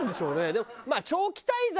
でも。